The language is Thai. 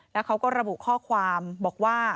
แล้วเขาก็ระบุข้อความบอกว่า